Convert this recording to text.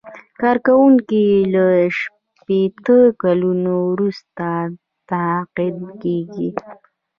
کارکوونکی له شپیته کلونو وروسته تقاعد کیږي.